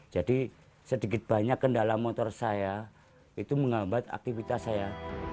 jadi sedikit banyak kendala motor saya itu menghambat aktivitas saya